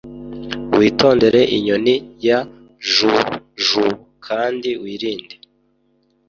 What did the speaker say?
Witondere inyoni ya Jubjub kandi wirinde